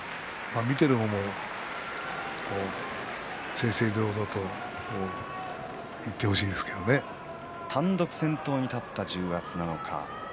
見ている方も正々堂々と単独先頭に立った阿武咲。